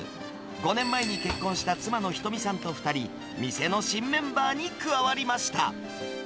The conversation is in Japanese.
５年前に結婚した妻の仁美さんと２人、店の新メンバーに加わりました。